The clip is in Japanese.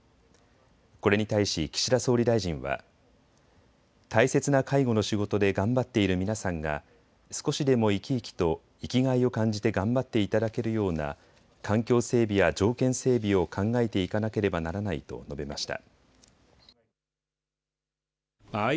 これに対し岸田総理大臣は大切な介護の仕事で頑張っている皆さんが少しでも生き生きと生きがいを感じて頑張っていただけるような環境整備や条件整備を考えていかなければならないと述べました。